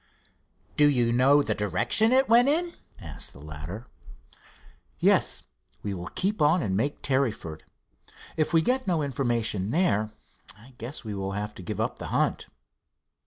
"Do you know the direction it went in?" asked the latter. "Yes. We will keep on and make Tarryford. If we get no information there, I guess we will have to give up the hunt."